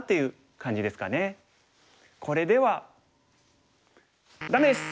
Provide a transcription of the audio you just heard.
これではダメです！